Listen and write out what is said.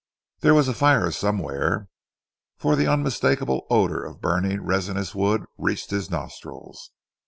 There was a fire somewhere, for the unmistakable odour of burning resinous wood reached his nostrils.